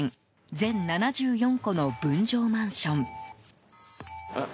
全７４戸の分譲マンション。